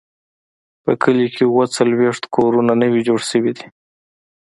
په کلي کې اووه څلوېښت کورونه نوي جوړ شوي دي.